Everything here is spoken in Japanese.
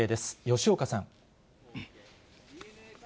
吉岡さん。